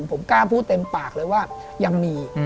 ผมกล้าพูดเต็มปากเลยว่ายังมี